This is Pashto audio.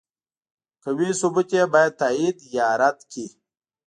قوي ثبوت یې باید تایید یا رد کړي.